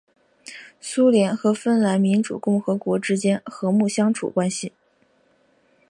苏联和芬兰民主共和国之间和睦相处关系。